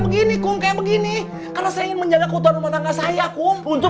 begini kum kayak begini karena saya ingin menjaga keutuhan rumah tangga saya kumpul untuk